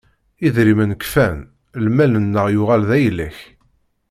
Idrimen kfan, lmal-nneɣ yuɣal d ayla-k.